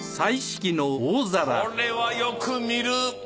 これはよく見る。